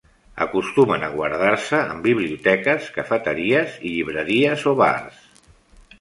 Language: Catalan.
Acostumen a guardar-se en biblioteques, cafeteries i llibreries o bars.